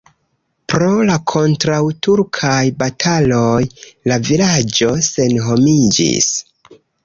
Pro la kontraŭturkaj bataloj la vilaĝo senhomiĝis.